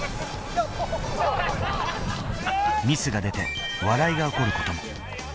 ミスが出て、笑いが起こることも。